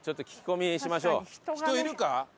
人いるか？